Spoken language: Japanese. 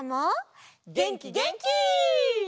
げんきげんき！